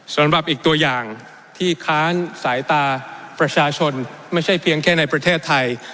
สำหรับอีกตัวอย่างที่ค้านสายตาประชาชนไม่ใช่เพียงแค่ในประเทศไทย